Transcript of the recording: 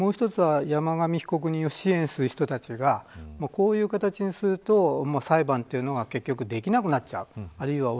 もう一つは、山上被告人を支援する人たちがこういう形にすると裁判というのが結局、できなくなっちゃう。